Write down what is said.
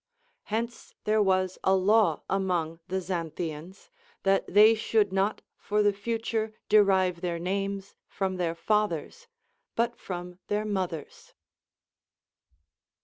Hence there was a law among the Xanthians, that they should not for the future derive their names from their fathers, but from their mothers.